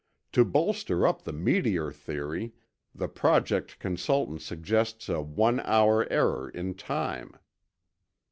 To bolster up the meteor theory, the Project consultant suggests a one hour error in time.